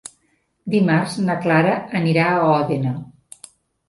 Dimarts na Clara anirà a Òdena.